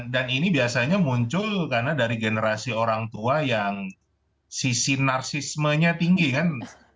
dan ini biasanya muncul karena dari generasi orang tua yang sisi narsismenya tinggi kan